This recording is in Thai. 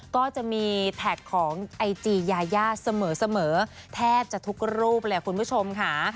ก็จะมีแท็กของไอจียายาเสมอแทบจะทุกรูปเลยคุณผู้ชมค่ะ